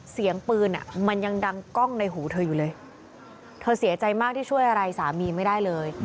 เสียงปืนมันยังดังกล้องในหูเธออยู่เลยเธอเสียใจมากที่ช่วยอะไรสามีไม่ได้เลย